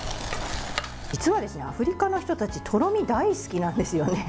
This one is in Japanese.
実はアフリカの人たちとろみ大好きなんですよ。